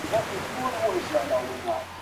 هغه خپل نظر د نوو څېړنو پر بنسټ وړاندې کوي.